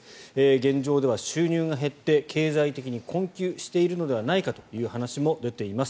現状では収入が減って経済的に困窮しているのではないかとの話も出ています。